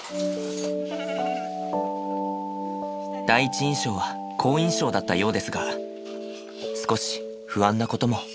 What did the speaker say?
第一印象は好印象だったようですが少し不安なことも。